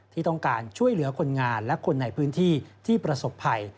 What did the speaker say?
ที่ต้องการช่วยเหลือคนงานและคนในพื้นที่ที่ประสบภัย